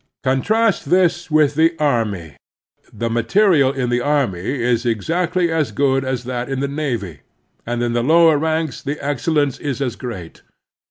Contrast this with the army. The material in the army is exactly as good as that in the navy, and in the lower ranks the excellence is as great.